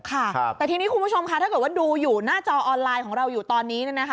ค่ะแต่ทีนี้คุณผู้ชมค่ะถ้าเกิดว่าดูอยู่หน้าจอออนไลน์ของเราอยู่ตอนนี้